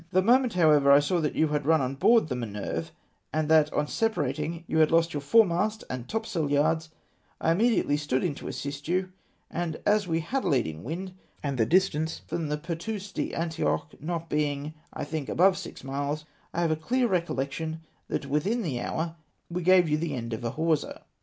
" The moment, however, I saw that you had run on board the Minerve, and that, on separating, you had lost your foretopmast and topsailyards, I imme diately stood in to assist you, and as we had a leading wind, and the distance from the Pertuis d'Antioche not being, I think, above six miles, I have a clear recollection that within the hour, we gave you the end of a hawser.